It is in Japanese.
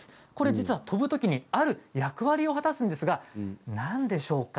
実は飛ぶときにある役割を果たすんですが何でしょうか？